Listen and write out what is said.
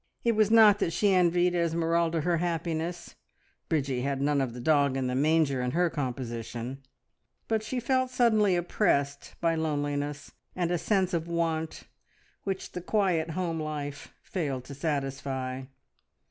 It was not that she envied Esmeralda her happiness Bridgie had none of the dog in the manger in her composition but she felt suddenly oppressed by loneliness and a sense of want, which the quiet home life failed to satisfy.